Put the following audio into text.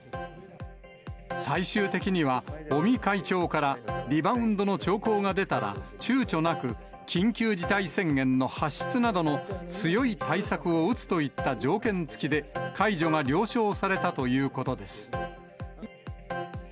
最終的には、尾身会長からリバウンドの兆候が出たら、ちゅうちょなく緊急事態宣言の発出などの強い対策を打つといった、条件付きで解除が了承されたということです。